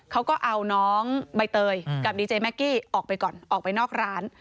เขาก็เอาน้องใบเตยกับดีเจแม็กกี้ออกไปก่อนออกไปนอกร้าน